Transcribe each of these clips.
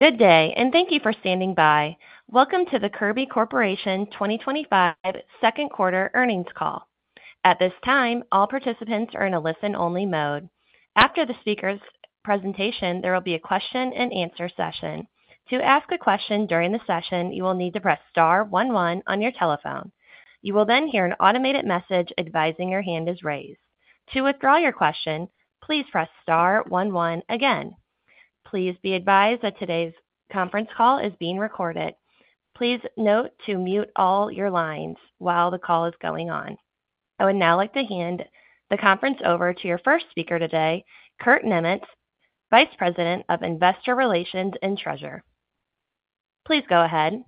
Good day and thank you for standing by. Welcome to the Kirby Corporation 2025 second quarter earnings call. At this time, all participants are in a listen-only mode. After the speaker's presentation, there will be a question and answer session. To ask a question during the session, you will need to press star one one on your telephone. You will then hear an automated message advising your hand is raised. To withdraw your question, please press star one one again. Please be advised that today's conference call is being recorded. Please note to mute all your lines while the call is going on. I would now like to hand the conference over to your first speaker today, Kurt Niemietz, Vice President of Investor Relations and Treasurer. Please go ahead.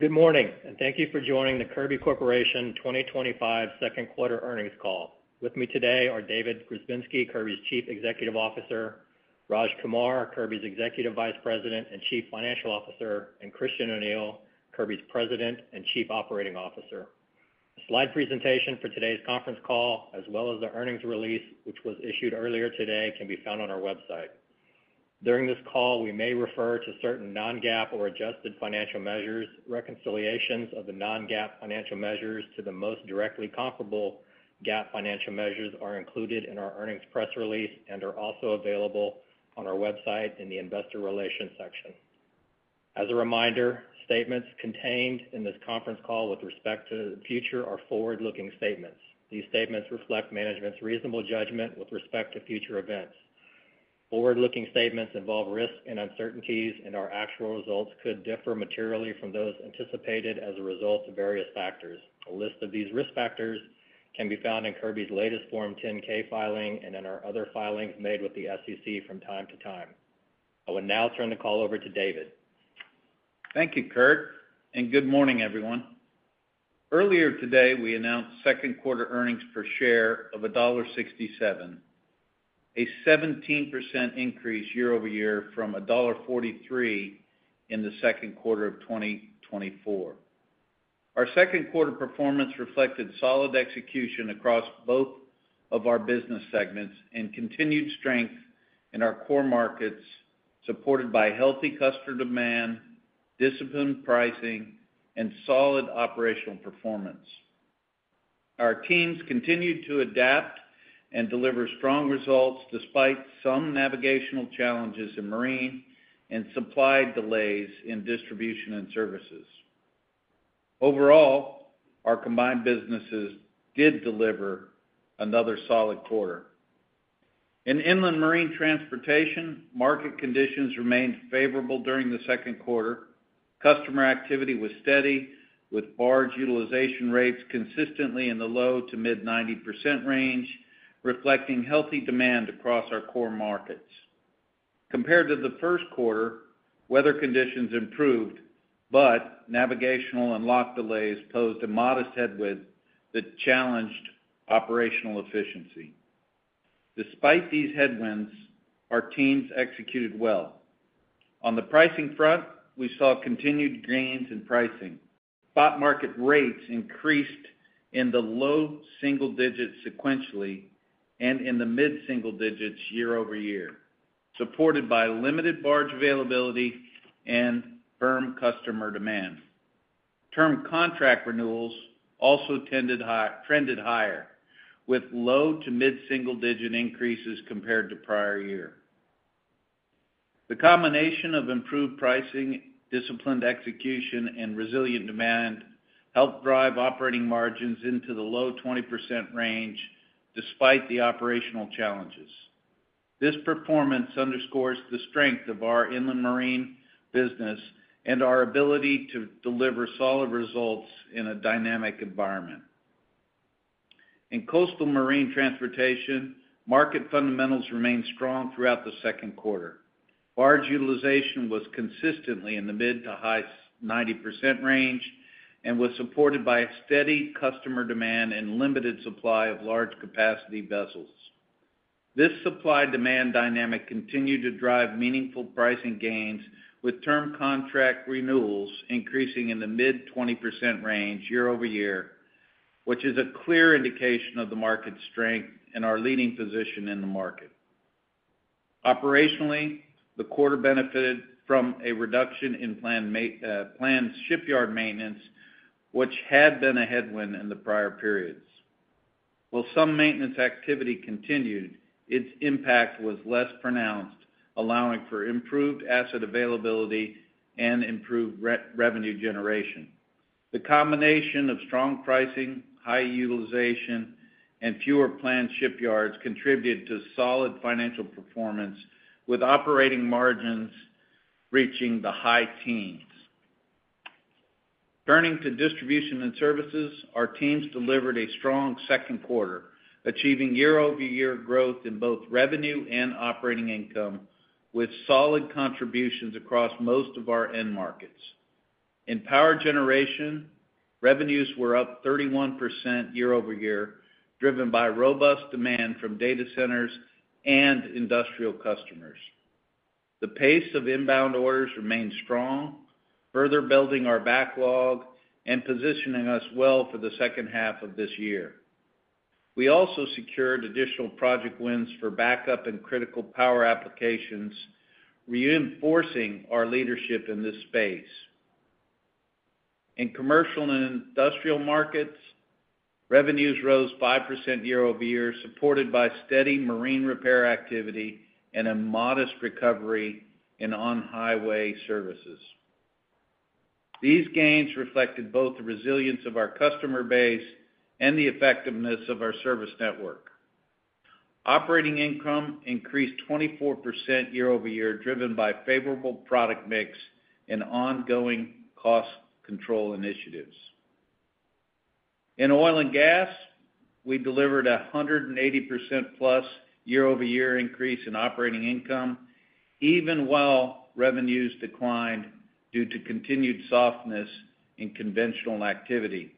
Good morning and thank you for joining the Kirby Corporation 2025 second quarter earnings call. With me today are David Grzebinski, Kirby's Chief Executive Officer, Raj Kumar, Kirby's Executive Vice President and Chief Financial Officer, and Christian O’Neil, Kirby's President and Chief Operating Officer. The slide presentation for today's conference call, as well as the earnings release which was issued earlier today, can be found on our website. During this call we may refer to certain non-GAAP or adjusted financial measures. Reconciliations of the non-GAAP financial measures to the most directly comparable GAAP financial measures are included in our earnings press release and are also available on our website in the Investor Relations section. As a reminder, statements contained in this conference call with respect to the future are forward-looking statements. These statements reflect management's reasonable judgment with respect to future events. Forward-looking statements involve risks and uncertainties, and our actual results could differ materially from those anticipated as a result of various factors. A list of these risk factors can be found in Kirby's latest Form 10-K filing and in our other filings made with the SEC from time to time. I will now turn the call over to David. Thank you, Kurt, and good morning everyone. Earlier today we announced second quarter earnings per share of $1.67, a 17% increase year-over-year from $1.43 in the second quarter of 2024. Our second quarter performance reflected solid execution across both of our business segments and continued strength in our core markets, supported by healthy customer demand, disciplined pricing, and solid operational performance. Our teams continued to adapt and deliver strong results despite some navigational challenges in marine and supply delays in distribution and services. Overall, our combined businesses did deliver another solid quarter in inland marine transportation. Market conditions remained favorable during the second quarter. Customer activity was steady with barge utilization rates consistently in the low to mid 90% range, reflecting healthy demand across our core markets. Compared to the first quarter, weather conditions improved, but navigational and lock delays posed a modest headwind that challenged operational efficiency. Despite these headwinds, our teams executed well. On the pricing front, we saw continued gains in pricing. Spot market rates increased in the low single digits sequentially and in the mid single-digits year-over-year, supported by limited barge availability and firm customer demand. Term contract renewals also trended higher with low to mid single digit increases compared to prior year. The combination of improved pricing, disciplined execution, and resilient demand helped drive operating margins into the low 20% range. Despite the operational challenges, this performance underscores the strength of our inland marine business and our ability to deliver solid results in a dynamic environment. In coastal marine transportation, market fundamentals remained strong throughout the second quarter. Barge utilization was consistently in the mid to high 90% range and was supported by steady customer demand and limited supply of large capacity vessels. This supply demand dynamic continued to drive meaningful pricing gains with term contract renewals increasing in the mid 20% range year-over-year, which is a clear indication of the market's strength and our leading position in the market. Operationally, the quarter benefited from a reduction in planned shipyard maintenance which had been a headwind in the prior periods. While some maintenance activity continued, its impact was less pronounced, allowing for improved asset availability and improved revenue generation. The combination of strong pricing, high utilization, and fewer planned shipyards contributed to solid financial performance with operating margins reaching the high teens. Turning to distribution and services, our teams delivered a strong second quarter, achieving year-over-year growth in both revenue and operating income with solid contributions across most of our end markets. In power generation, revenues were up 31% year-over-year, driven by robust demand from data centers and industrial customers. The pace of inbound orders remained strong, further building our backlog and positioning us well for the second half of this year. We also secured additional project wins for backup and critical power applications, reinforcing our leadership in this space. In commercial and industrial markets, revenues rose 5% year-over-year, supported by steady marine repair activity and a modest recovery in on highway services. These gains reflected both the resilience of our customer base and the effectiveness of our service network. Operating income increased 24% year-over-year, driven by favorable product mix and ongoing cost control initiatives. In oil and gas, we delivered 180%+ year-over-year increase in operating income even while revenues declined due to continued softness in conventional activity.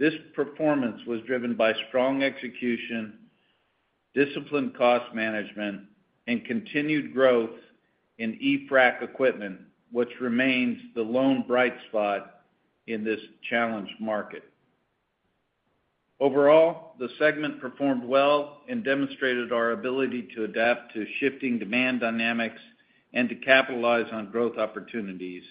This performance was driven by strong execution, disciplined cost management, and continued growth in EFRAC equipment, which remains the lone bright spot in this challenged market. Overall, the segment performed well and demonstrated our ability to adapt to shifting demand dynamics and to capitalize on growth opportunities.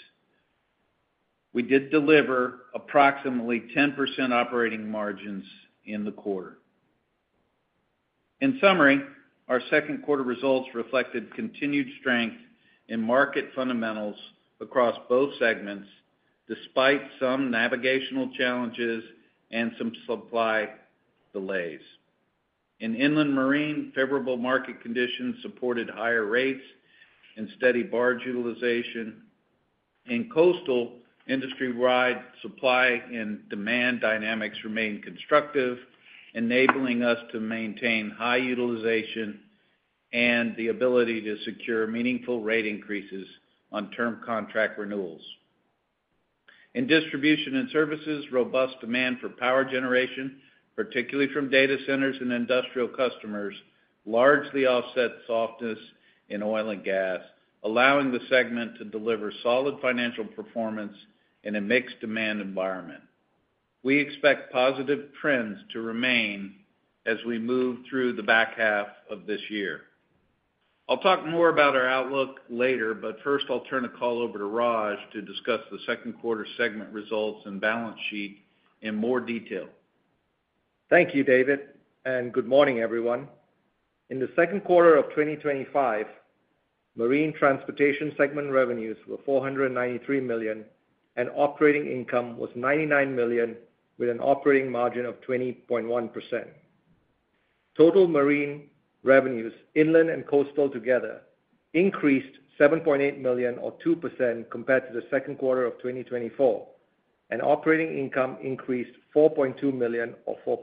We did deliver approximately 10% operating margins in the quarter. In summary, our second quarter results reflected continued strength in market fundamentals across both segments. Despite some navigational challenges and some supply delays in inland marine, favorable market conditions supported higher rates and steady barge utilization. In coastal marine, wide supply and demand dynamics remained constructive, enabling us to maintain high utilization and the ability to secure meaningful rate increases on term contract renewals in distribution and services. Robust demand for power generation, particularly from data centers and industrial customers, largely offset softness in oil and gas, allowing the segment to deliver solid financial performance in a mixed demand environment. We expect positive trends to remain as we move through the back half of this year. I'll talk more about our outlook later, but first I'll turn the call over to Raj to discuss the second quarter segment results and balance sheet in more detail. Thank you, David, and good morning, everyone. In the second quarter of 2025, Marine Transportation segment revenues were $493 million and operating income was $99 million with an operating margin of 20.1%. Total marine revenues, inland and coastal together, increased $7.8 million or 2% compared to the second quarter of 2024, and operating income increased $4.2 million or 4%.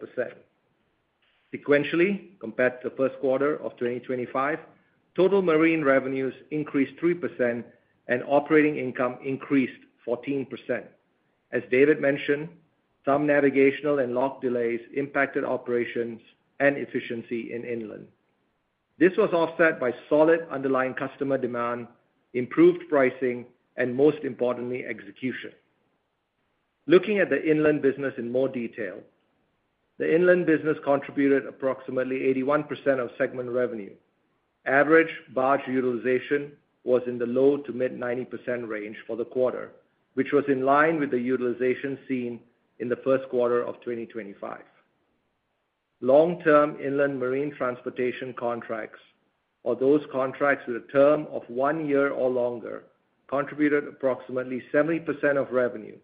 Sequentially, compared to the first quarter of 2025, total marine revenues increased 3% and operating income increased 14%. As David mentioned, some navigational and lock delays impacted operations and efficiency in inland. This was offset by solid underlying customer demand, improved pricing, and most importantly, execution. Looking at the inland business in more detail, the inland business contributed approximately 81% of segment revenue. Average barge utilization was in the low to mid 90% range for the quarter, which was in line with the utilization seen in the first quarter of 2025. Long-term inland marine transportation contracts, or those contracts with a term of one year or longer, contributed approximately 70% of revenue,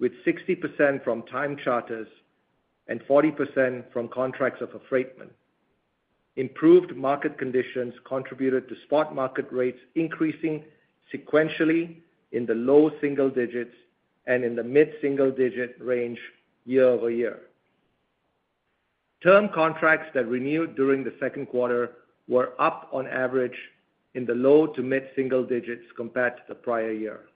with 60% from time charters and 40% from contracts of affreightment. Improved market conditions contributed to spot market rates increasing sequentially in the low single digits and in the mid single digit range year-over-year. Term contracts that renewed during the second quarter were up on average in the low to mid single digits compared to the prior year.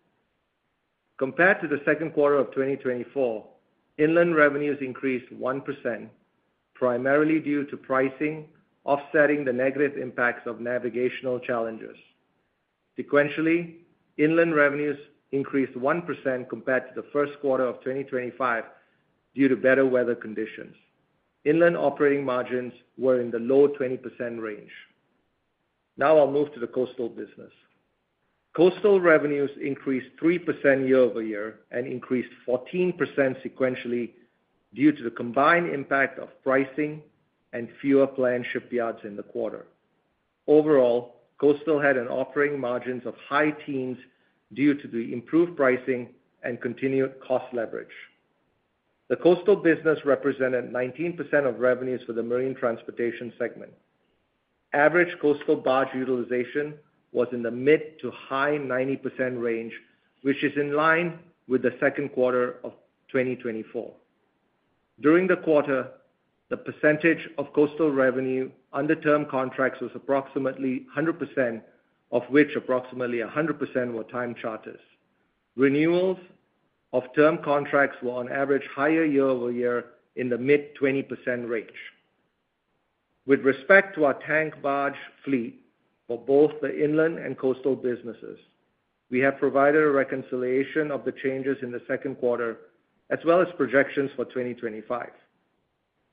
Compared to the second quarter of 2024, inland revenues increased 1% primarily due to pricing offsetting the negative impacts of navigational challenges. Sequentially, inland revenues increased 1% compared to the first quarter of 2025 due to better weather conditions. Inland operating margins were in the low 20% range. Now I'll move to the coastal business. Coastal revenues increased 3% year-over-year and increased 14% sequentially due to the combined impact of pricing and fewer planned shipyards in the quarter. Overall, coastal had operating margins of high teens due to the improved pricing and continued cost leverage. The coastal business represented 19% of revenues. For the Marine Transportation segment, average coastal barge utilization was in the mid to high 90% range, which is in line with the second quarter of 2024. During the quarter, the percentage of coastal revenue under term contracts was approximately 100%, of which approximately 100% were time charters. Renewals of term contracts were on average higher year-over-year in the mid 20% range. With respect to our tank barge fleet for both the inland and coastal businesses, we have provided a reconciliation of the changes in the second quarter as well as projections for 2025.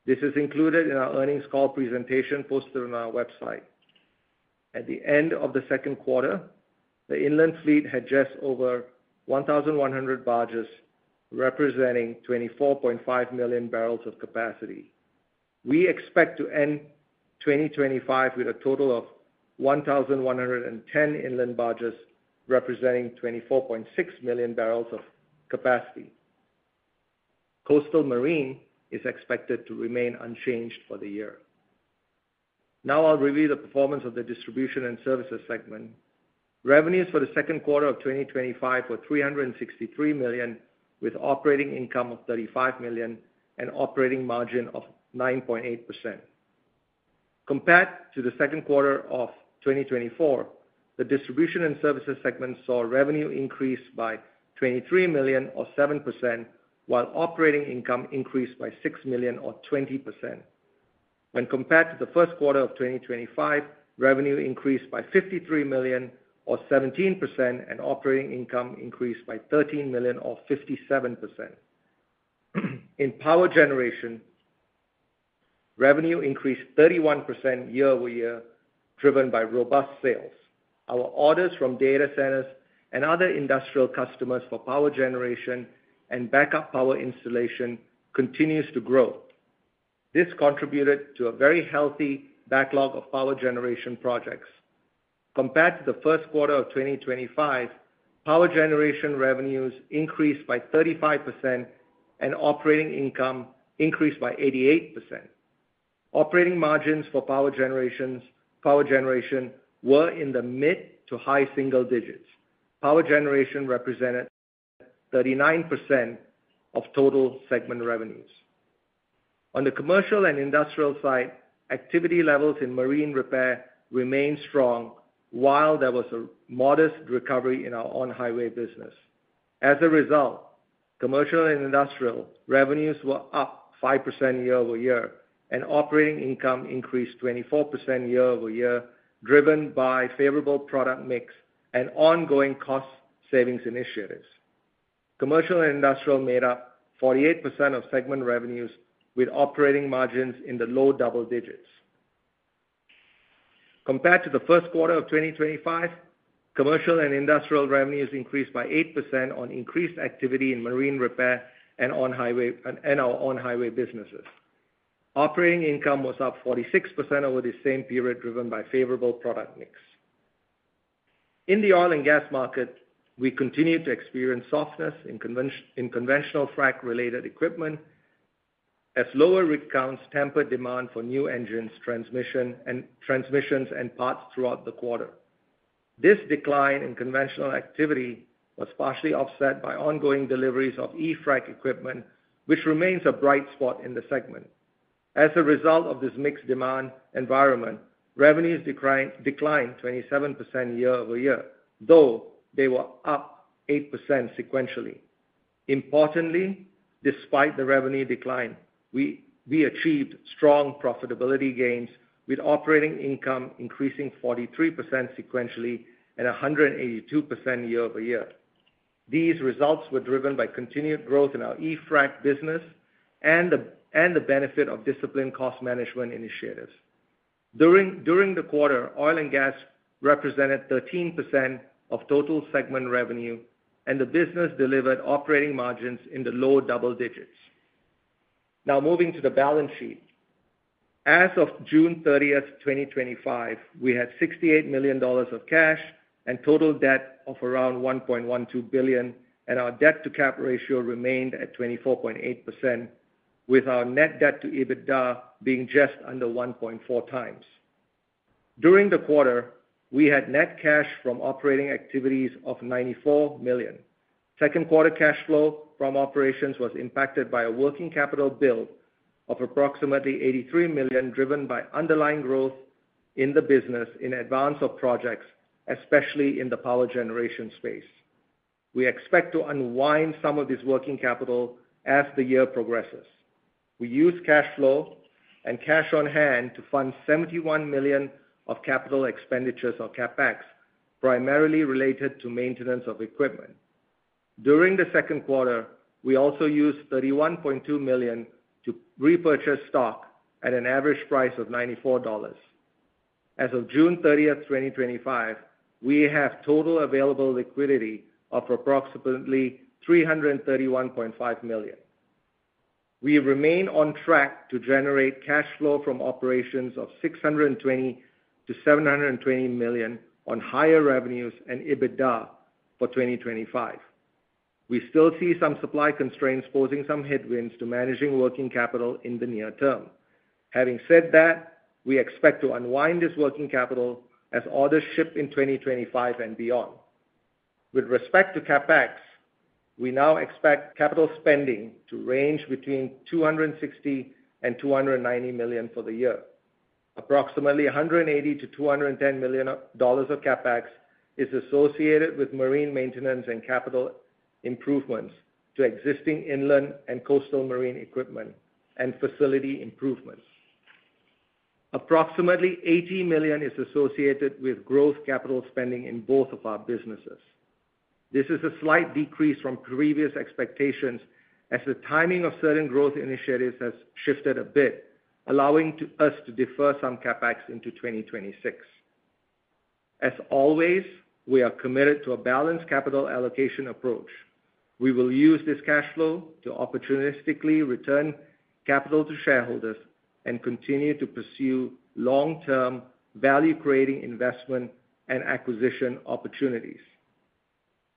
This is included in our earnings call presentation posted on our website. At the end of the second quarter, the inland fleet had just over 1,100 barges representing 24.5 million barrels of capacity. We expect to end 2025 with a total of 1,110 inland barges representing 24.6 million barrels of capacity. Coastal marine is expected to remain unchanged for the year. Now I'll review the performance of the distribution and services segment. Revenues for the second quarter of 2025 were $363 million with operating income of $35 million and operating margin of 9.8%. Compared to the second quarter of 2024, the distribution and services segment saw revenue increase by $23 million or 7%, while operating income increased by $6 million or 20%. When compared to the first quarter of 2025, revenue increased by $53 million or 17% and operating income increased by $13 million or 57%. In power generation, revenue increased 31% year-over-year driven by robust sales. Our orders from data centers and other industrial customers for power generation and backup power installation continues to grow. This contributed to a very healthy backlog of power generation projects. Compared to the first quarter of 2025, power generation revenues increased by 35% and operating income increased by 88%. Operating margins for power generation were in the mid to high single digits. Power generation represented 39% of total segment revenues. On the commercial and industrial side, activity levels in marine repair remained strong while there was a modest recovery in our on highway business. As a result, commercial and industrial revenues were up 5% year-over-year and operating income increased 24% year-over-year driven by favorable product mix and ongoing cost savings initiatives. Commercial and industrial made up 48% of segment revenues with operating margins in the low double digits. Compared to the first quarter of 2025, commercial and industrial revenues increased by 8% on increased activity in marine repair and our on highway businesses. Operating income was up 46% over the same period, driven by favorable product mix in the oil and gas market. We continue to experience softness in conventional FRAC related equipment as lower rig counts tempered demand for new engines, transmissions, and parts throughout the quarter. This decline in conventional activity was partially offset by ongoing deliveries of EFRAC equipment, which remains a bright spot in the segment. As a result of this mixed demand and environment, revenues declined 27% year-over-year, though they were up 8% sequentially. Importantly, despite the revenue decline, we achieved strong profitability gains with operating income increasing 43% sequentially and 182% year-over-year. These results were driven by continued growth in our EFRAC business and the benefit of disciplined cost management initiatives. During the quarter, oil and gas represented 13% of total segment revenue, and the business delivered operating margins in the low double digits. Now moving to the balance sheet, as of June 30, 2025, we had $68 million of cash and total debt of around $1.12 billion, and our debt to cap ratio remained at 24.8%. With our net debt to EBITDA being just under 1.4 times during the quarter, we had net cash from operating activities of $94 million. Second quarter cash flow from operations was impacted by a working capital bill of approximately $83 million driven by underlying growth in the business in advance of projects, especially in the power generation space. We expect to unwind some of this working capital as the year progresses. We used cash flow and cash on hand to fund $71 million of capital expenditures, or CapEx, primarily related to maintenance of equipment. During the second quarter, we also used $31.2 million to repurchase stock at an average price of $94. As of June 30, 2025, we have total available liquidity of approximately $331.5 million. We remain on track to generate cash flow from operations of $620 to $720 million on higher revenues and EBITDA for 2025. We still see some supply constraints posing some headwinds to managing working capital in the near term. Having said that, we expect to unwind this working capital as orders ship in 2025 and beyond. With respect to CapEx, we now expect capital spending to range between $260 and $290 million for the year. Approximately $180 to $210 million of CapEx is associated with marine maintenance and capital improvements to existing inland and coastal marine equipment and facility improvements. Approximately $80 million is associated with growth capital spending in both of our businesses. This is a slight decrease from previous expectations as the timing of certain growth initiatives has shifted a bit, allowing us to defer some CapEx into 2026. As always, we are committed to a balanced capital allocation approach. We will use this cash flow to opportunistically return capital to shareholders and continue to pursue long-term value creating investment and acquisition opportunities.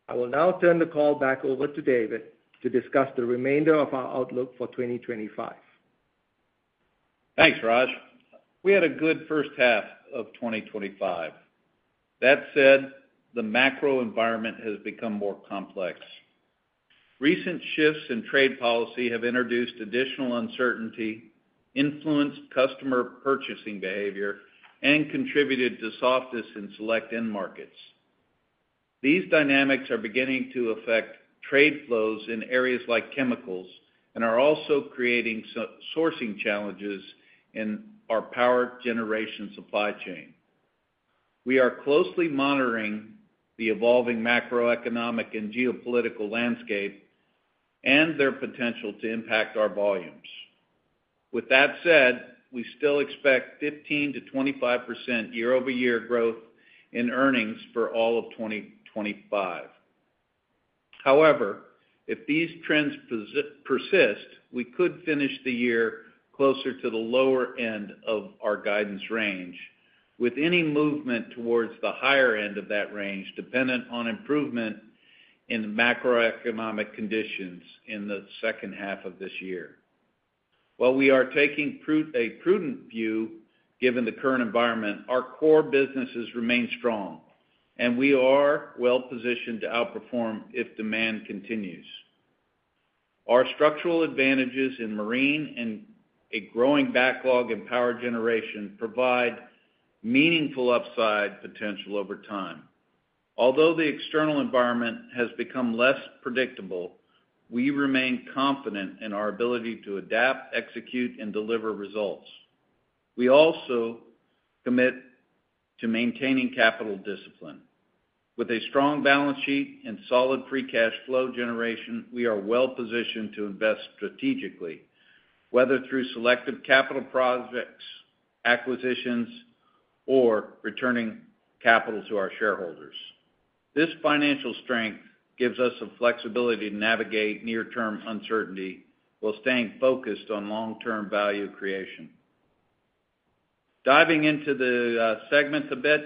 I will now turn the call back over to David to discuss the remainder of our outlook for 2025. Thanks, Raj. We had a good first half of 2025. That said, the macro environment has become more complex. Recent shifts in trade policy have introduced additional uncertainty, influenced customer purchasing behavior, and contributed to softness in select end markets. These dynamics are beginning to affect trade flows in areas like chemicals and are also creating sourcing challenges in our power generation supply chain. We are closely monitoring the evolving macroeconomic and geopolitical landscape and their potential to impact our volumes. With that said, we still expect 15%-25% year-over-year growth in earnings for all of 2025. However, if these trends persist, we could finish the year closer to the lower end of our guidance range, with any movement toward the higher end of that range dependent on improvement in macroeconomic conditions in the second half of this year. While we are taking a prudent view given the current environment, our core businesses remain strong, and we are well positioned to outperform if demand continues. Our structural advantages in marine and a growing backlog in power generation provide meaningful upside potential over time. Although the external environment has become less predictable, we remain confident in our ability to adapt, execute, and deliver results. We also commit to maintaining capital discipline with a strong balance sheet and solid free cash flow generation. We are well positioned to invest strategically, whether through selective capital projects, acquisitions, or returning capital to our shareholders. This financial strength gives us the flexibility to navigate near-term uncertainty while staying focused on long-term value creation. Diving into the segments a bit,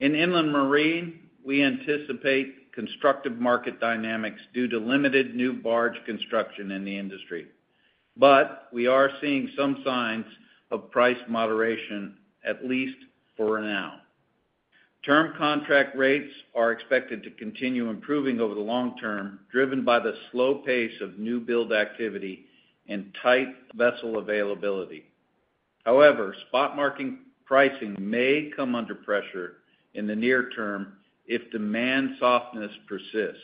in inland marine, we anticipate constructive market dynamics due to limited new barge construction in the industry, but we are seeing some signs of price moderation, at least for now. Term contract rates are expected to continue improving over the long term, driven by the slow pace of new build activity and tight vessel availability. However, spot market pricing may come under pressure in the near term if demand softness persists.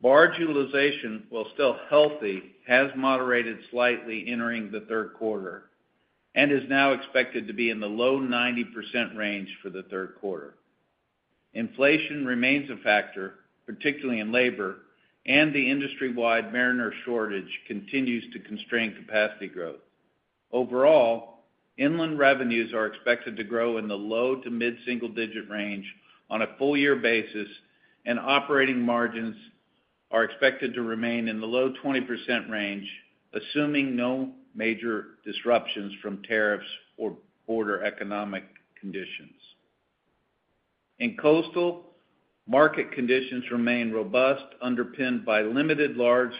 Barge utilization, while still healthy, has moderated slightly entering the third quarter and is now expected to be in the low 90% range for the third quarter. Inflation remains a factor, particularly in labor, and the industry-wide mariner shortage continues to constrain capacity growth. Overall, inland revenues are expected to grow in the low to mid single digit range on a full year basis, and operating margins are expected to remain in the low 20% range, assuming no major disruptions from tariffs or broader economic conditions. Coastal market conditions remain robust, underpinned by limited large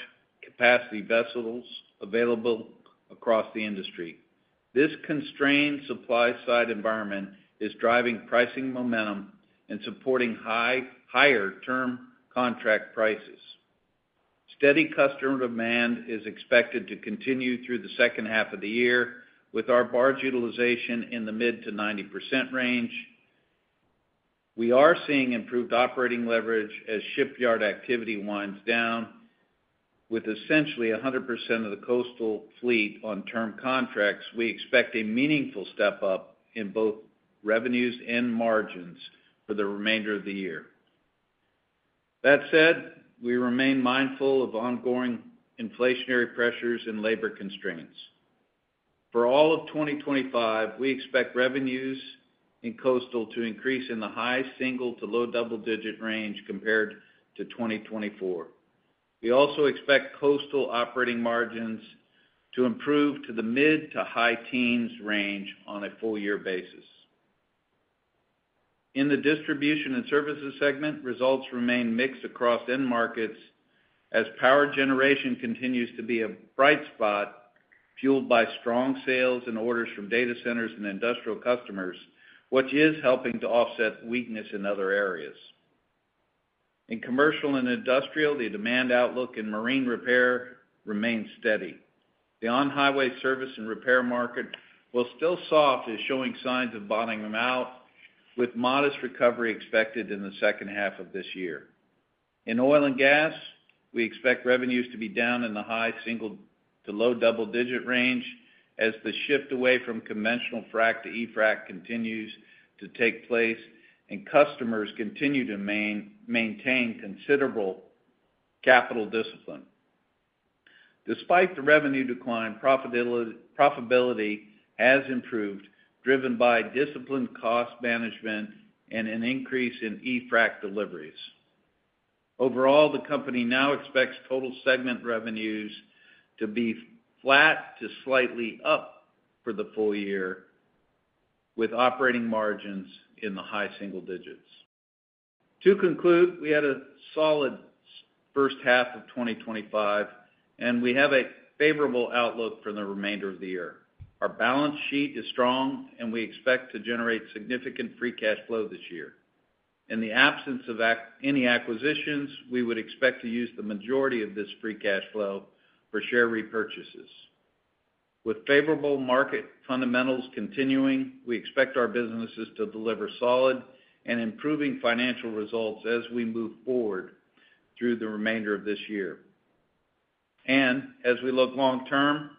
capacity vessels available across the industry. This constrained supply side environment is driving pricing momentum and supporting higher term contract prices. Steady customer demand is expected to continue through the second half of the year. With our barge utilization in the mid to 90% range, we are seeing improved operating leverage as shipyard activity winds down. With essentially 100% of the coastal fleet on term contracts, we expect a meaningful step up in both revenues and margins for the remainder of the year. That said, we remain mindful of ongoing inflationary pressures and labor constraints. For all of 2025, we expect revenues in coastal to increase in the high single to low double digit range compared to 2024. We also expect coastal operating margins to improve to the mid to high teens range on a full year basis. In the distribution and services segment, results remain mixed across end markets as power generation continues to be a bright spot, fueled by strong sales and orders from data centers and industrial customers, which is helping to offset weakness in other areas. In commercial and industrial, the demand outlook in marine repair remains steady. The on highway service and repair market, while still soft, is showing signs of bottoming out with modest recovery expected in the second half of this year. In oil and gas, we expect revenues to be down in the high single to low double digit range as the shift away from conventional activity to EFRAC continues to take place and customers continue to maintain considerable capital discipline. Despite the revenue decline, profitability has improved, driven by disciplined cost management and an increase in EFRAC deliveries overall. The company now expects total segment revenues to be flat to slightly up for the full year, with operating margins in the high single digits. To conclude, we had a solid first half of 2025, and we have a favorable outlook for the remainder of the year. Our balance sheet is strong, and we expect to generate significant free cash flow this year. In the absence of any acquisitions, we would expect to use the majority of this free cash flow for share repurchases. With favorable market fundamentals continuing, we expect our businesses to deliver solid and improving financial results as we move forward through the remainder of this year. As we look long term,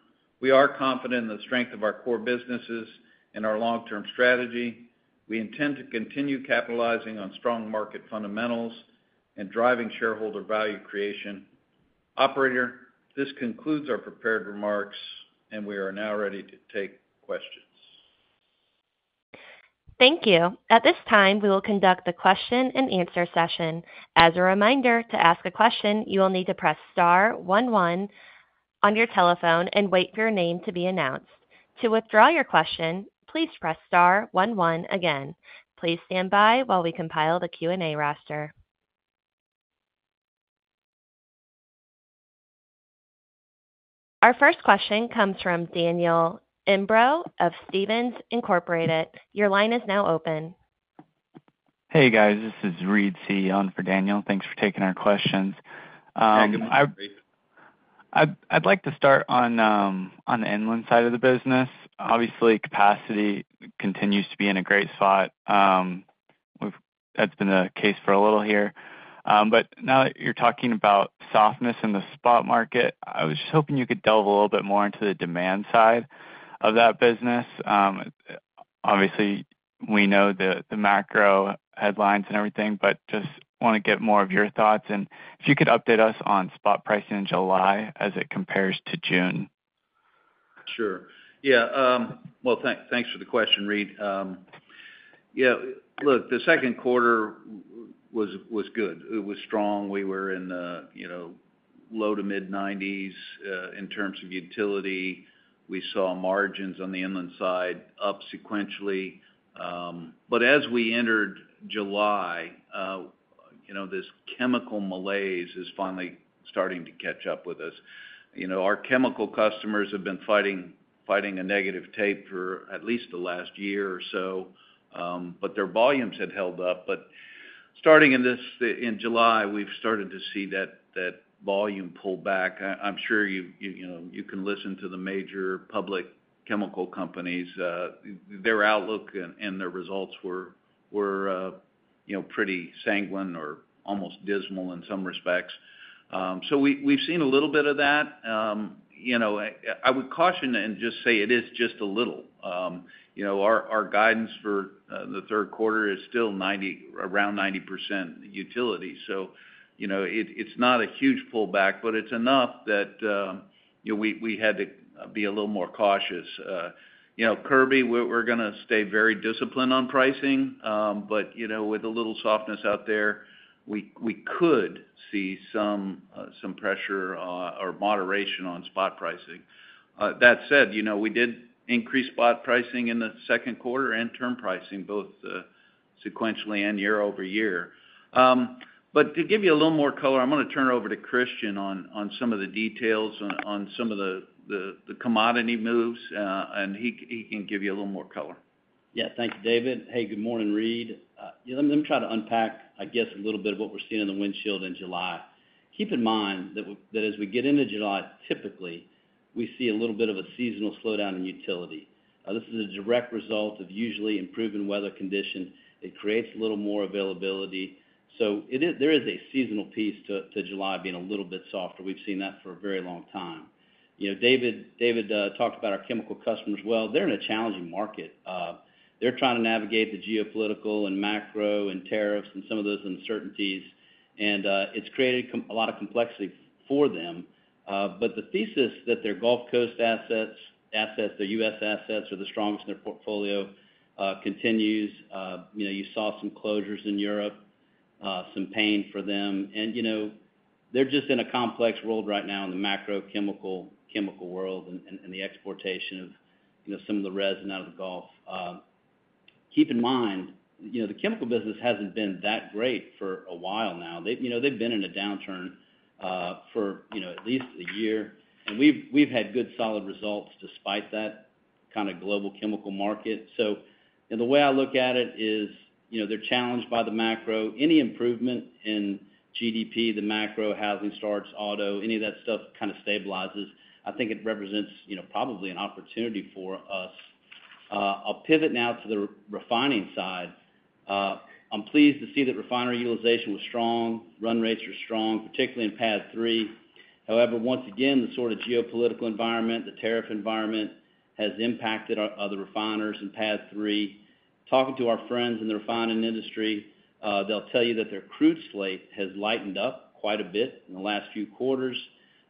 we are confident in the strength of our core businesses and in our long term strategy. We intend to continue capitalizing on strong market fundamentals and driving shareholder value creation. Operator, this concludes our prepared remarks and we are now ready to take questions. Thank you. At this time, we will conduct the question and answer session. As a reminder, to ask a question, you will need to press Star one one on your telephone and wait for your name to be announced. To withdraw your question, please press Star one one again. Please stand by while we compile the Q and A roster. Our first question comes from Daniel Imbro of Stephens Incorporated. Your line is now open. Hey guys, this is Reed, sitting in for Daniel, thanks for taking our questions. I'd like to start on the inland side of the business. Obviously, capacity continues to be in a great spot. That's been the case for a little here. Now that you're talking about softness in the spot market, I was just hoping you could delve a little bit more into the demand side of that business. Obviously, we know the macro headlines and everything, but just want to get more of your thoughts and if you could update us on spot pricing in July as it compares to June. Sure. Thanks for the question, Reed. The second quarter was good. It was strong. We were in the low to mid-90s in terms of utility. We saw margins on the inland side up sequentially. As we entered July, this chemical malaise is finally starting to catch up with us. Our chemical customers have been fighting a negative tape for at least the last year or so, but their volumes had held up. Starting in July, we've started to see that volume pull back. I'm sure you can listen to the major public chemical companies. Their outlook and their results were pretty sanguine or almost dismal in some respects. We've seen a little bit of that. I would caution and just say it is just a little. Our guidance for the third quarter is still 90%, around 90% utility. It's not a huge pullback, but it's enough that we had to be a little more cautious. Kirby, we're going to stay very disciplined on pricing, but with a little softness out there, we could see some pressure or moderation on spot pricing. That said, we did increase spot pricing in the second quarter and term pricing both sequentially and year-over-year. To give you a little more color, I'm going to turn over to Christian on some of the details on some of the commodity moves and he can give you a little more color. Thank you, David. Good morning, Reed. Let me try to unpack, I guess. A little bit of what we're seeing. In the windshield in July. Keep in mind that as we get into July, typically we see a little bit of a seasonal slowdown in utility. This is a direct result of usually improving weather conditions. It creates a little more availability. There is a seasonal piece to July being a little bit softer. We've seen that for a very long time. David talked about our chemical customers. They're in a challenging market. They're trying to navigate the geopolitical and macro and tariffs and some of those uncertainties, and it's created a lot of complexity for them. The thesis that their Gulf Coast assets, their U.S. assets are the strongest in their portfolio continues. You saw some closures in Europe, some pain for them, and they're just in a complex world right now in the macro chemical world and the exportation of some of the resin out of the Gulf. Keep in mind the chemical business hasn't been that great for a while now. They've been in a downturn for at least a year, and we've had good, solid results despite that kind of global chemical market. The way I look at it is they're challenged by the macro. Any improvement in GDP, the macro, housing starts, auto, any of that stuff kind of stabilizes. I think it represents probably an opportunity for us. I'll pivot now to the refining side. I'm pleased to see that refinery utilization was strong. Run rates are strong, particularly in PADD 3. However, once again, the sort of geopolitical environment, the tariff environment, has impacted other refiners in PADD 3. Talking to our friends in the refining industry, they'll tell you that their crude slate has lightened up quite a bit in the last few quarters.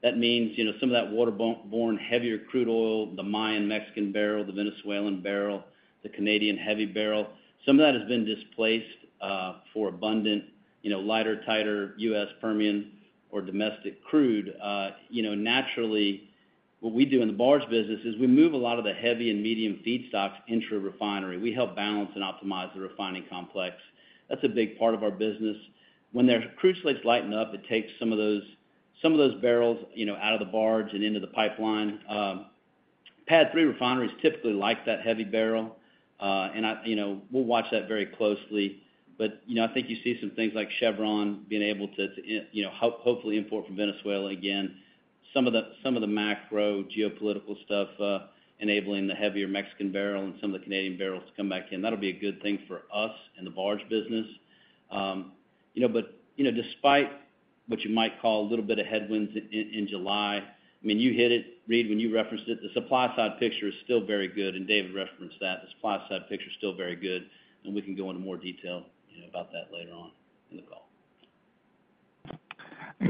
That means some of that waterborne heavier crude oil, the Mayan Mexican barrel, the Venezuelan barrel, the Canadian heavy barrel, some of that has been displaced for abundant, lighter, tighter U.S. Permian or domestic crude. Naturally, what we do in the barge business is we move a lot of the heavy and medium feedstocks into a refinery. We help balance and optimize the refining complex. That's a big part of our business. When their crude slates lighten up, it takes some of those barrels out of the barge and into the pipeline. PADD 3 refineries typically like that heavy barrel, and we'll watch that very closely. I think you see some things like Chevron being able to hopefully import from Venezuela again, some of the macro geopolitical stuff enabling the heavier Mexican barrel and some of the Canadian barrels to come back in. That'll be a good thing for us in the barge business. Despite what you might call a little bit of headwinds in July, you hit it, Reid, when you referenced it, the supply side picture is still very good and David referenced that the supply side picture is still very good. We can go into more detail about that later on in the call.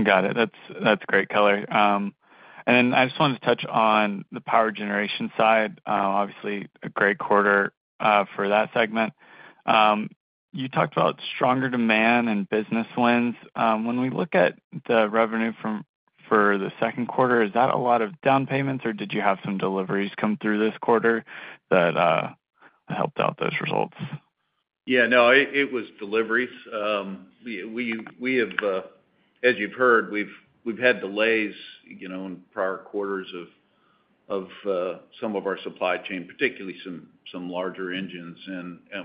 Got it. That's great color. I just wanted to touch on the power generation side, obviously a great quarter for that segment. You talked about stronger demand and business wins. When we look at the revenue for the second quarter, is that a lot of down payments or did you have some deliveries come through this quarter? That helped out those results? Yeah, no, it was deliveries. As you've heard, we've had delays in prior quarters of some of our supply chain, particularly some larger engines.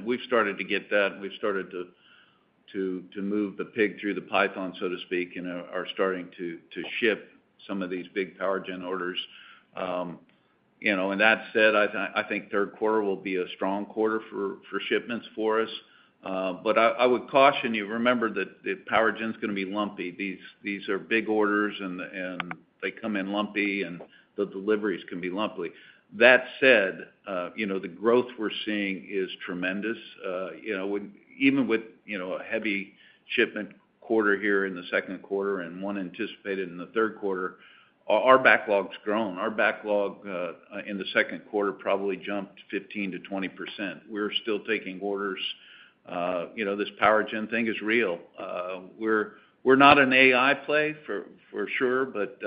We've started to get that. We've started to move the pig through the python, so to speak, and are starting to ship some of these big power gen orders. That said, I think third quarter will be a strong quarter for shipments for us. I would caution you, remember that power gen is going to be lumpy. These are big orders and they come in lumpy and the deliveries can be lumpy. That said, the growth we're seeing is tremendous. Even with a heavy shipment quarter here in the second quarter and one anticipated in the third quarter, our backlog has grown. Our backlog in the second quarter probably jumped 15 to 20%. We're still taking orders. This power gen thing is real. We're not an AI play for sure, but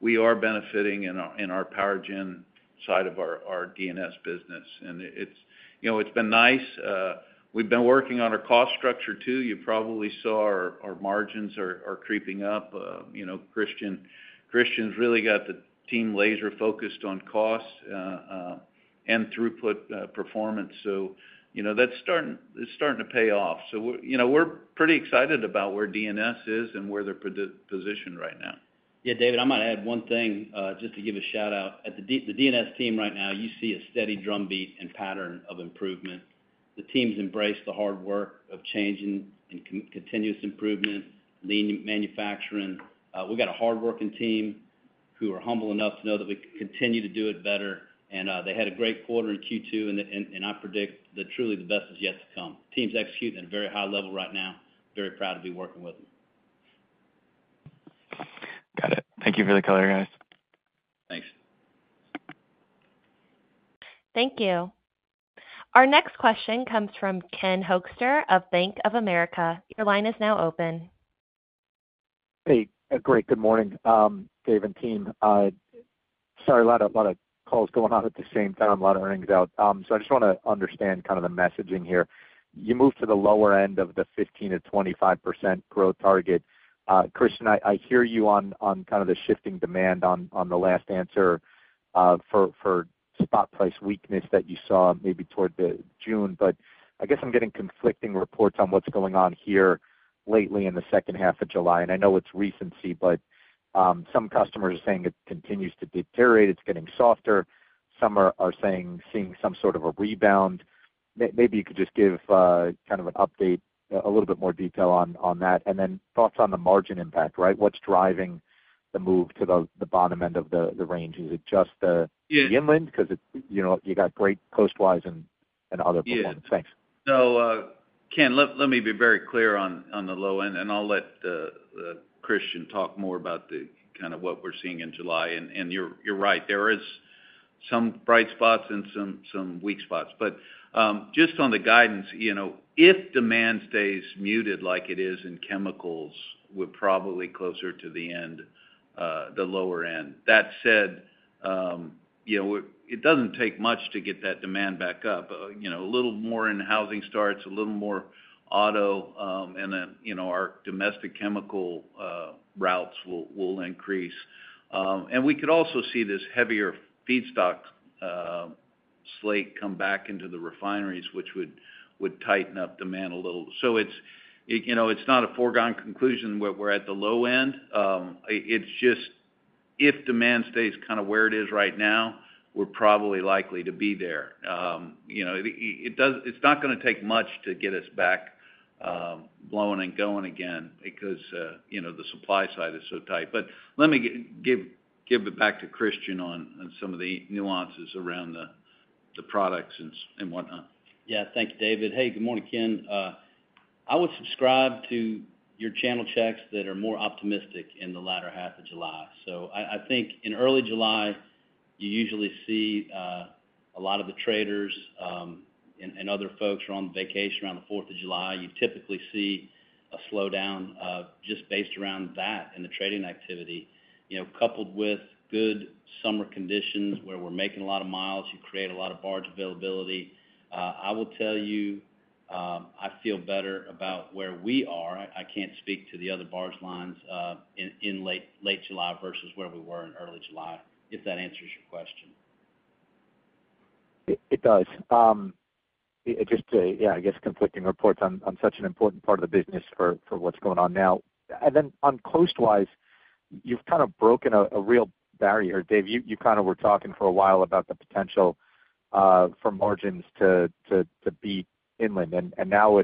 we are benefiting in our power gen side of our distribution and services business. It's been nice. We've been working on our cost structure too. You probably saw our margins are creeping up. Christian's really got the team laser focused on cost and throughput performance. That's starting, it's starting to pay off. We're pretty excited about where distribution and services is and where they're positioned right now. Yeah, David, I might add one thing just to give a shout out at the D&S team. Right now you see a steady drumbeat and pattern of improvement. The team's embrace, the hard work of changing and continuous improvement, lean manufacturing. We've got a hard working team who are humble enough to know that we can continue to do it better. They had a great quarter in Q2, and I predict that truly the best is yet to come. The team's executing at a very high level right now. Very proud to be working with them. Got it. Thank you for the color, guys. Thanks. Thank you. Our next question comes from Ken Hoexter of Bank of America. Your line is now open. Hey, great. Good morning, Dave and team. Sorry, a lot of calls going on at the same time, a lot of earnings out. I just want to understand kind of the messaging here. You move to the lower end of the 15% to 25% growth target. Christian, I hear you on kind of the shifting demand on the last answer for spot price weakness that you saw maybe toward June. I guess I'm getting conflicting reports on what's going on here lately in the second half of July. I know it's recency, but some customers are saying it continues to deteriorate, it's getting softer. Some are seeing some sort of a rebound. Maybe you could just give kind of an update, a little bit more detail on that and then thoughts on the margin impact. Right. What's driving the move to the bottom end of the range? Is it just the inland because you got great coastwise and other performance. Thanks. Ken, let me be very clear on the low end and I'll let Christian talk more about what we're seeing in July. You're right, there are some bright spots and some weak spots. Just on the guidance, if demand stays muted like it is in chemicals, we're probably closer to the lower end. That said, it doesn't take much to get that demand back up. A little more in housing starts, a little more auto, and then our domestic chemical routes will increase. We could also see this heavier feedstock slate come back into the refineries, which would tighten up demand a little. It's not a foregone conclusion that we're at the low end. If demand stays kind of where it is right now, we're probably likely to be there. It's not going to take much to get us back blowing and going again because the supply side is so tight. Let me give it back to Christian on some of the nuances around the products and whatnot. Thank you, David. Good morning, Ken. I would subscribe to your channel checks that are more optimistic in the latter half of July. In early July you usually see a lot of the traders and other folks are on vacation around the Fourth of July. You typically see a slowdown just based around that and the trading activity, coupled with good summer conditions where we're making a lot of miles, you create a lot of barge availability. I will tell you I feel better about where we are. I can't speak to the other barge lines in late July versus where we were in early July, if that answers your question. It does. I guess conflicting reports on such an important part of the business for what's going on now, and then on coastwise, you've kind of broken a real barrier. Dave, you were talking for a while about the potential for margins to beat inland. Now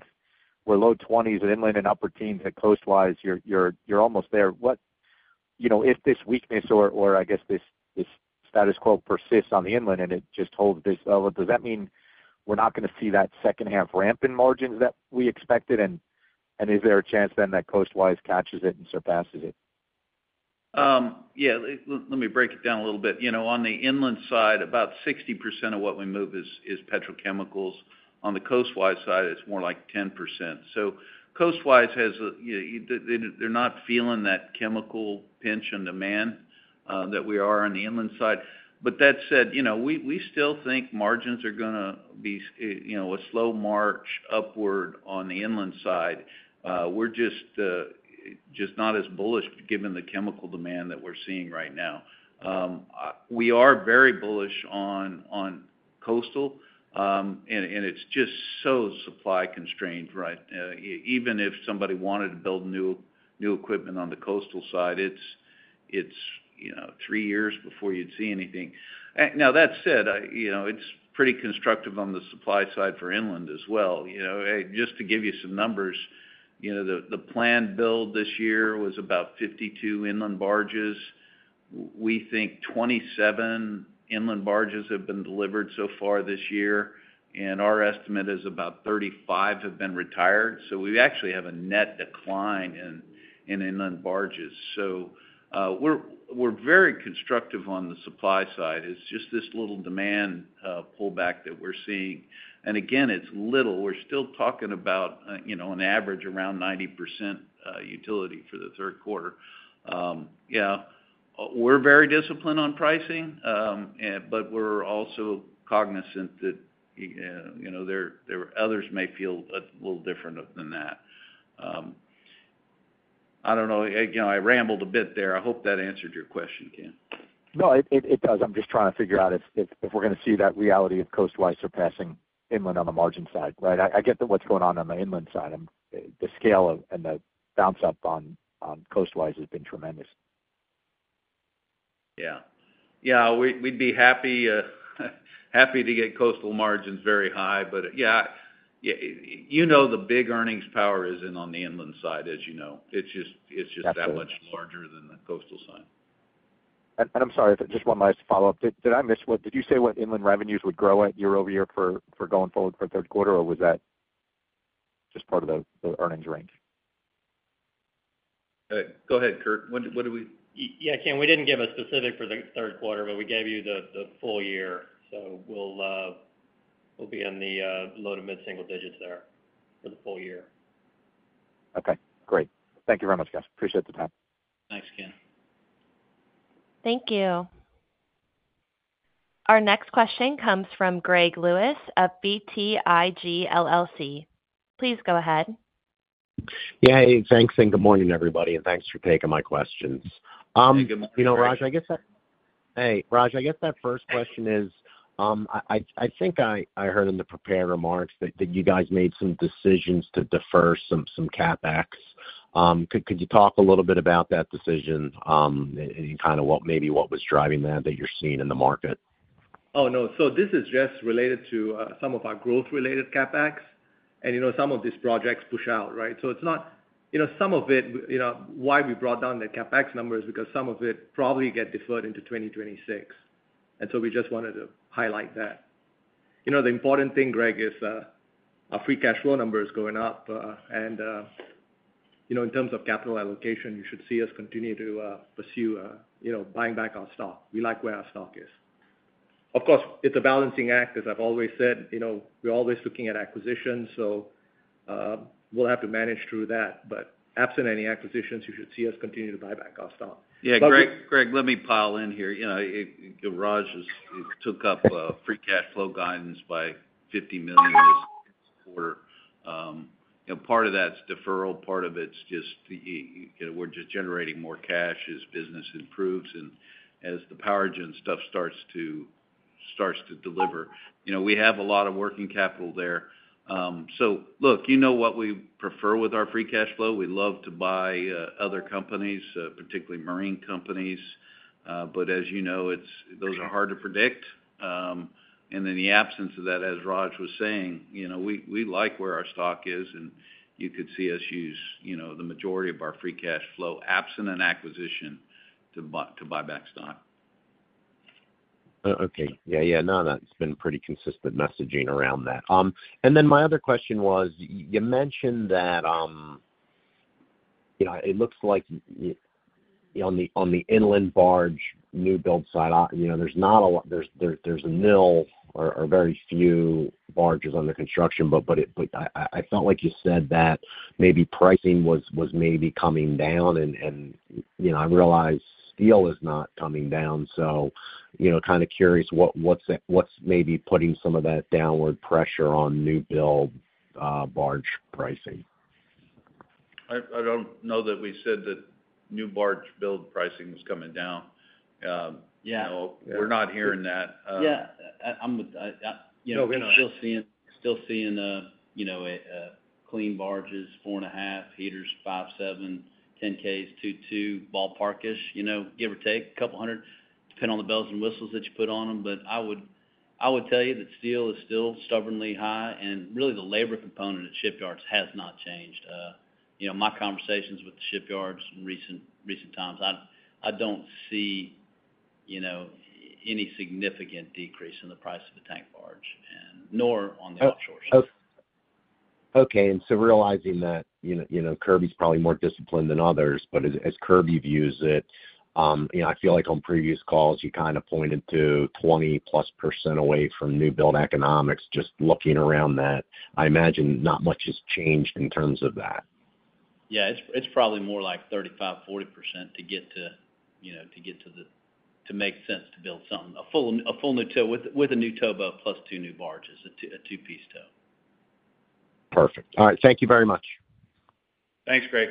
we're low 20% in inland and upper teens at coastwise, you're almost there. If this weakness or this status quo persists on the inland and it just holds this level, does that mean we're not going to see that second half ramp in margins that we expected? Is there a chance then that coastwise catches it and surpasses it? Yeah, let me break it down a little bit. On the inland side, about 60% of what we move is petrochemicals. On the coastwise side, it's more like 10%. Coastwise has, they're not feeling that chemical pinch on demand that we are on the inland side. That said, we still think margins are going to be a slow march upward on the inland side. We're just not as bullish given the chemical demand that we're seeing right now. We are very bullish on coastal, and it's just so supply constrained. Even if somebody wanted to build new equipment on the coastal side, it's three years before you'd see anything. That said, it's pretty constructive on the supply side for inland as well. Just to give you some numbers, the planned build this year was about 52 inland barges. We think 27 inland barges have been delivered so far this year, and our estimate is about 35 have been retired. We actually have a net decline in inland barges. We're very constructive on the supply side. It's just this little demand pullback that we're seeing. Again, it's little. We're still talking about an average around 90% utility for the third quarter. We're very disciplined on pricing, but we're also cognizant that others may feel a little different than that. I don't know, I rambled a bit there. I hope that answered your question, Ken. No, it does. I'm just trying to figure out if we're going to see that reality of coastwise surpassing inland on the margin side. Right, I get that. What's going on on the inland side? The scale and the bounce up on coastwise has been tremendous. Yeah, we'd be happy to get coastal margins very high. The big earnings power isn't on the inland side, as you know, it's just that much larger than the coastal side. I'm sorry, just one last follow up. Did I miss what did you say what inland revenues would grow at year-over-year for going forward for third quarter, or was that just part of the earnings range? Go ahead, Kurt, what do we do? Ken, we didn't give a specific for the third quarter, but we gave you the full year. We'll be in the low to mid single digits there for the full year. Okay, great. Thank you very much, Kevin. Appreciate the time. Thanks, Ken. Thank you. Our next question comes from Greg Lewis of BTIG LLC. Please go ahead. Yeah, thanks. Good morning everybody, and thanks for taking my questions. Raj, I guess that first question is I think I heard in the prepared remarks that you guys made some decisions to defer some CapEx. Could you talk a little bit about that decision and what was driving that, that you're seeing in the market? This is just related to some of our growth-related CapEx, and you know, some of these projects push out. Right. It is not, you know, some of it, you know, why we brought down that CapEx number is because some of it probably gets deferred into 2026. We just wanted to highlight that the important thing, Greg, is our free cash flow number is going up. You know, in terms of capital allocation, you should see us continue to pursue buying back our stock. We like where our stock is. Of course, it's a balancing act. As I've always said. We're always looking at acquisitions. Have to manage through that. Absent any acquisitions, you should see us continue to buy back our stock. Yeah. Greg, let me pile in here. Raj took up free cash flow guidance by $50 million this quarter. Part of that's deferral. Part of it's just, we're just generating more cash as business improves and as the power gen stuff starts to deliver. You know, we have a lot of working capital there. Look, you know what we prefer with our free cash flow? We love to buy other companies, particularly marine companies. As you know, those are hard to predict. In the absence of that, as Raj was saying, you know, we like where our stock is and you could see us use the majority of our free cash flow absent an acquisition to buy back stock. Yeah, that's been pretty consistent messaging around that. My other question was you. Mentioned that. It looks like on the inland barge new build site, you know, there's not a lot, there's a nil or very few barges under construction. I felt like you said that maybe pricing was maybe coming down. I realize steel is not coming down. You know, kind of curious. What, what's it, what's maybe putting some of that downward pressure on new build barge pricing? I don't know that we said that new barge build pricing is coming down. We're not hearing that. Yeah, I'm still seeing clean barges, four and a half heaters, five, seven, 10Ks, two, two ballparkish, give or take, couple hundred depending on the bells and whistles. You put on them. Steel is still stubbornly high, and really the labor component at shipyards has not changed. My conversations with the shipyards in recent times, I don't see any significant decrease in the price of a tank boat nor on the offshore. Okay. Realizing that Kirby's probably more disciplined than others, as Kirby views it, I feel like on previous calls you kind of pointed to 20%+ away from new build economics. Just looking around that, I imagine not much has changed in terms of that. Yeah, it's probably more like 35% to 40% to get to, you know, to get to the, to make sense to build something. A full new tow with a new. Tow boat plus two new barges, a two piece tow. Perfect. All right, thank you very much. Thanks, Greg.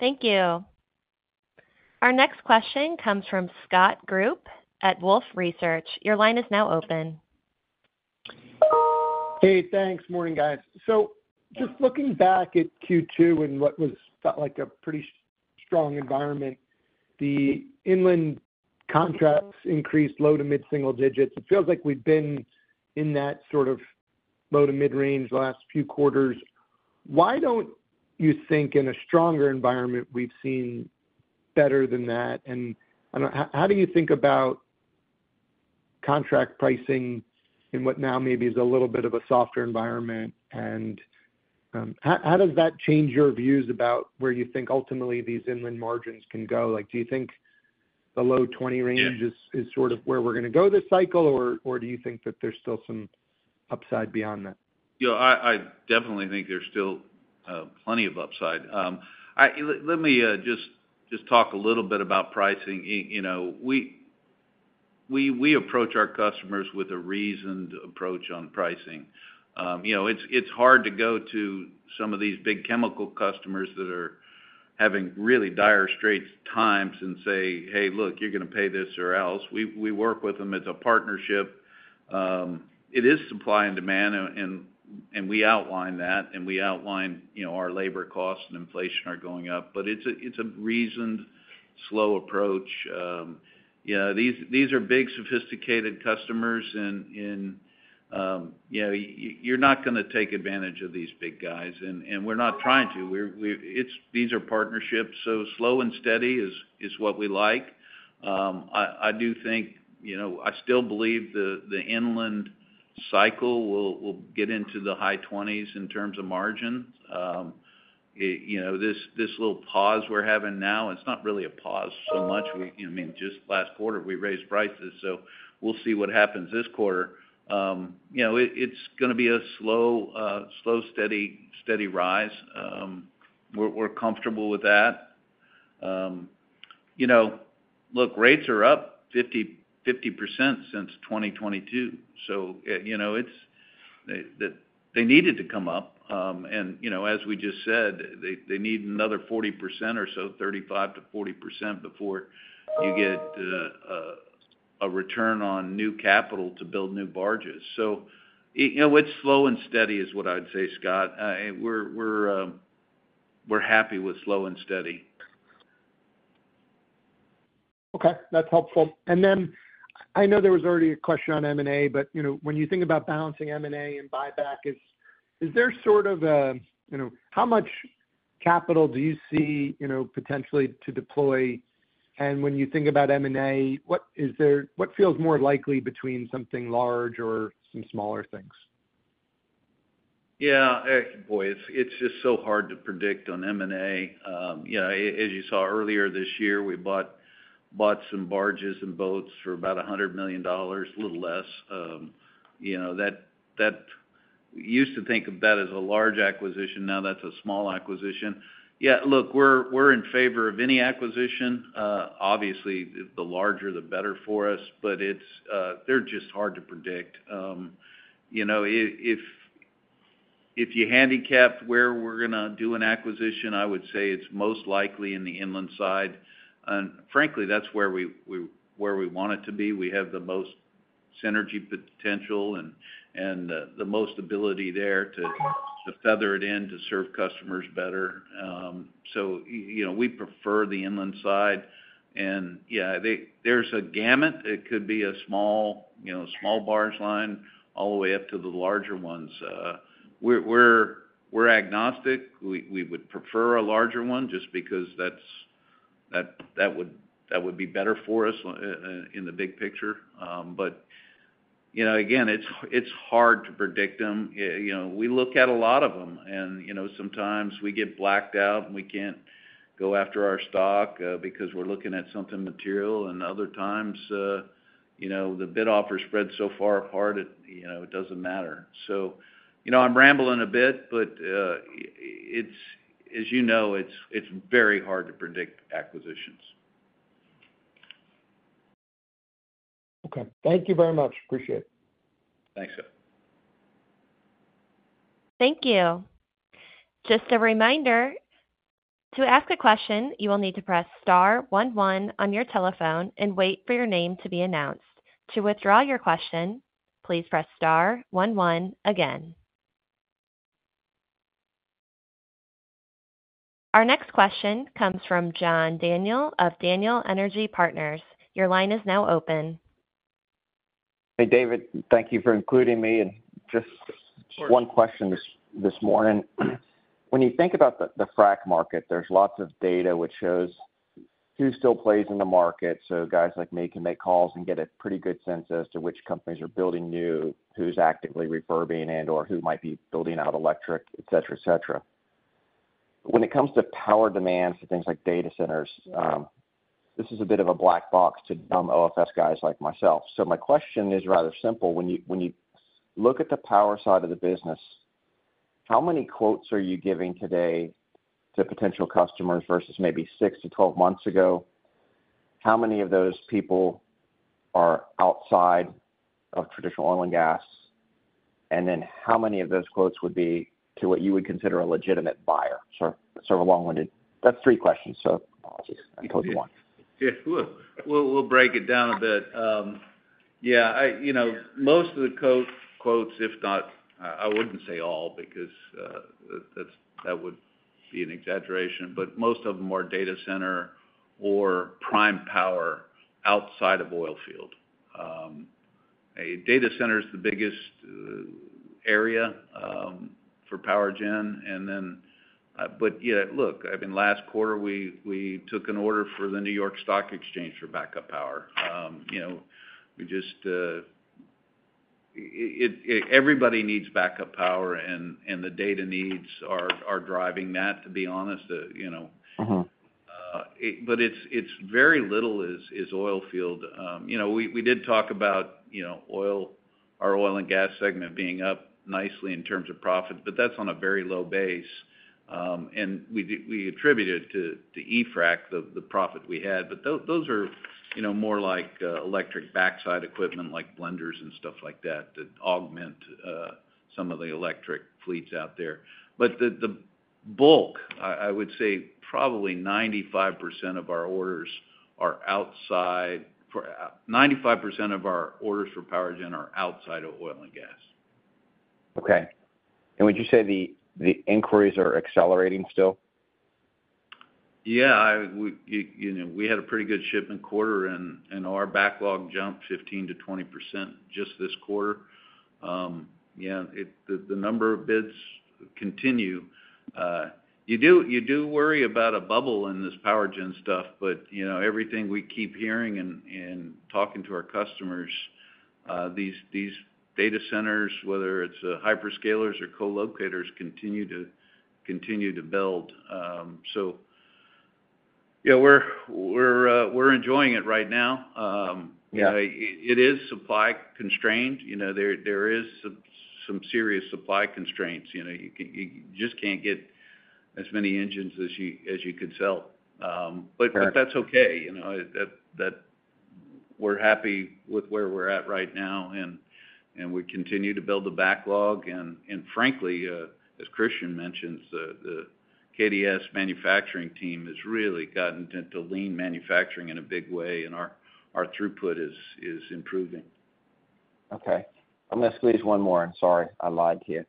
Thank you. Our next question comes from Scott Group at Wolfe Research. Your line is now open. Hey, thanks. Morning guys. Looking back at Q2 and what was like a pretty strong environment, the inland contracts increased low to mid single digits. It feels like we've been in that sort of low to mid range the last few quarters. Why don't you think in a stronger environment we've seen better than that? How do you think about contract pricing in what now maybe is a. Little bit of a softer environment? How does that change your views about where you think ultimately these inland margins can go? Do you think the low 20? Range is sort of where we're going. To go this cycle, or do you? Think that there's still some upside beyond that? I definitely think there's still plenty of upside. Let me just talk a little bit about pricing. We approach our customers with a reasoned approach on pricing. It's hard to go to some of these big chemical customers that are having really dire straight times and say, hey, look, you're going to pay this or else. We work with them as a partnership. It is supply and demand, and we outline that, and we outline, you know, our labor costs and inflation are going up. It's a reasoned, slow approach. These are big, sophisticated customers. You're not going to take advantage of these big guys, and we're not trying to. These are partnerships. Slow and steady is what we like. I do think, you know, I still believe the inland cycle will get into the high 20s in terms of margin. This little pause we're having now, it's not really a pause so much. Just last quarter we raised prices, so we'll see what happens this quarter. It's going to be a slow, slow, steady, steady rise. We're comfortable with that. Look, rates are up 50% since 2022. They needed to come up, and as we just said, they need another 40% or so, 35 to 40%, before you get a return on new capital to build new barges. Slow and steady is what I'd say. Scott, we're happy with slow and steady. Okay, that's helpful. I know there was already a question on M&A, but when you think about balancing M&A and buyback, is there sort of a, you know, how much capital do you see potentially to deploy? When you think about M&A. What is there? What feels more likely between something large? Some smaller things? Yeah, it's just so hard to predict on M&A. As you saw earlier this year, we bought some barges and boats for about $100 million, a little less. You know, that used to think of that as a large acquisition. Now that's a small acquisition. We're in favor of any acquisition. Obviously, the larger the better for us, but they're just hard to predict. If you handicapped where we're going to do an acquisition, I would say it's most likely in the inland side and frankly that's where we want it to be. We have the most synergy potential and the most ability there to feather it in to serve customers better. We prefer the inland side. There's a gamut. It could be a small barge line all the way up to the larger ones. We're agnostic. We would prefer a larger one just because that would be better for us in the big picture. Again, it's hard to predict them. We look at a lot of them and sometimes we get blacked out and we can't go after our stock because we're looking at something material. Other times, the bid offer spread is so far apart, it doesn't matter. I'm rambling a bit, but as you know, it's very hard to predict acquisitions. Okay, thank you very much. Appreciate it. Thanks. Thank you. Just a reminder to ask a question, you will need to press Star one one on your telephone and wait for your name to be announced. To withdraw your question, please press Star one one again. Our next question comes from John Daniel of Daniel Energy Partners. Your line is now open. Hey David, thank you for including me. Just one question this morning. When you think about the frac market, there's lots of data which shows who still plays in the market. Guys like me can make calls and get a pretty good sense as to which companies are building new, who's actively refurbing and, or who might be building out electric, et cetera, et cetera. When it comes to power demand for things like data centers, this is a bit of a black box to dumb OFS guys like myself. My question is rather simple. When you look at the power side of the business, how many quotes are you giving today to potential customers versus maybe 6 to 12 months ago? How many of those people are outside of traditional oil and gas? How many of those quotes would be to what you would consider a legitimate buyer, sort of a long winded. That's three questions. We'll break it down a bit. Most of the quotes, if not, I wouldn't say all because that would be an exaggeration, but most of them are data center or prime power. Outside of oilfield, a data center is the biggest area for power gen. Last quarter we took an order for the New York Stock Exchange for backup power. Everybody needs backup power and the data needs are driving that, to be honest. Very little is oil field. We did talk about our oil and gas segment being up nicely in terms of profit, but that's on a very low base and we attribute it to EFRAC, the profit we had. Those are more like electric backside equipment like blenders and stuff like that that augment some of the electric fleets out there. The bulk, I would say probably 95% of our orders are outside. 95% of our orders for power gen are outside of oil and gas. Okay, would you say the inquiries are accelerating still? Yeah, we had a pretty good shipment quarter, and our backlog jumped 15% to 20% just this quarter. The number of bids continues. You do worry about a bubble in this power generation stuff, but you know, everything we keep hearing and talking to our customers, these data centers, whether it's hyperscalers or co-locators, continue to build. Yeah, we're enjoying it right now. It is supply constrained. There are some serious supply constraints. You just can't get as many engines as you could sell. That's okay, we're happy with where we're at right now, and we continue to build the backlog. Frankly, as Christian mentions, the KDS manufacturing team has really gotten into lean manufacturing in a big way, and our throughput is improving. Okay, I'm going to squeeze one more. Sorry I lied to you.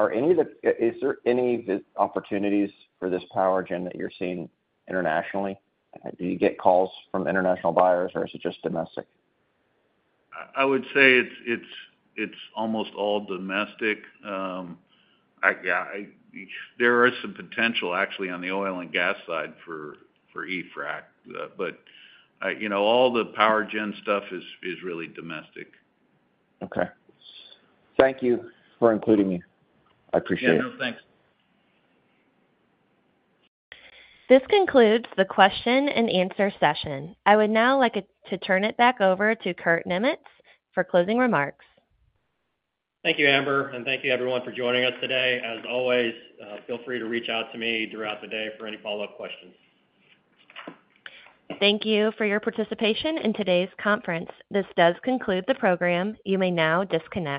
Is there any opportunities for this power gen that you're seeing internationally? Do you get calls from international buyers or is it just domestic? I would say it's almost all domestic. There are some potential actually on the oil and gas side for EFRAC, but you know, all the power gen stuff is really domestic. Okay, thank you for including me. I appreciate it. Thanks. This concludes the question and answer session. I would now like to turn it back over to Kurt Niemietz for closing remarks. Thank you, Amber, and thank you, everyone, for joining us today. As always, feel free to reach out to me throughout the day for any follow-up questions. Thank you for your participation in today's conference. This does conclude the program. You may now disconnect.